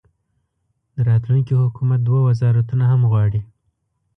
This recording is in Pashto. د راتلونکي حکومت دوه وزارتونه هم غواړي.